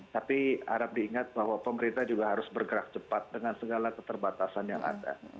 tapi harap diingat bahwa pemerintah juga harus bergerak cepat dengan segala keterbatasan yang ada